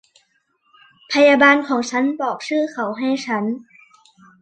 พยาบาลของฉันบอกชื่อเขาให้ฉัน